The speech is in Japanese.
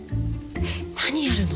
何やるの？